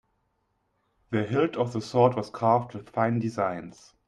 The hilt of the sword was carved with fine designs.